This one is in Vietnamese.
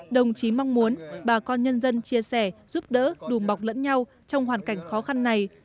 đồng chí phạm minh chính chia sẻ giúp đỡ đùm bọc lẫn nhau trong hoàn cảnh khó khăn này